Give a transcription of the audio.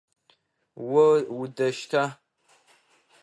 О удэщта?